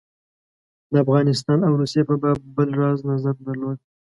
د افغانستان او روسیې په باب بل راز نظر درلود.